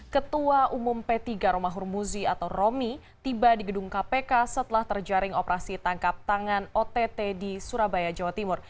ketua umum p tiga romahur muzi atau romi tiba di gedung kpk setelah terjaring operasi tangkap tangan ott di surabaya jawa timur